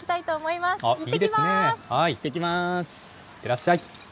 いってらっしゃい。